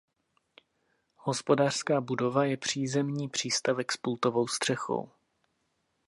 Hospodářská budova je přízemní přístavek s pultovou střechou.